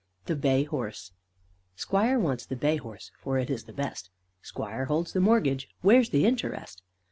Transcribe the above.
THE BAY HORSE Squire wants the bay horse, For it is the best. Squire holds the mortgage; Where's the interest?